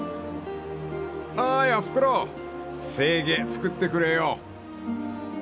［おーいおふくろせえげ作ってくれよ］